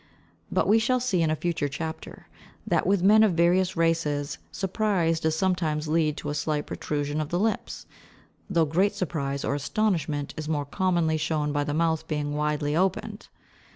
But we shall see in a future chapter that with men of various races surprise does sometimes lead to a slight protrusion of the lips, though great surprise or astonishment is more commonly shown by the mouth being widely opened.